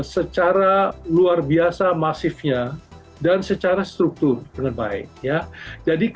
secara luar biasa masifnya dan secara struktur dengan baik